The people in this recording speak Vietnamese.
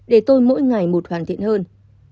để tôi mỗi ngày một hoàn thiện hơn